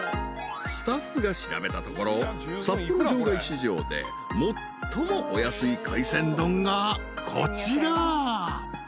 ［スタッフが調べたところ札幌場外市場で最もお安い海鮮丼がこちら］